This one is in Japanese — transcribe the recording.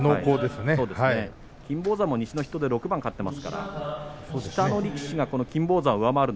金峰山も西の筆頭で６勝を挙げていますね。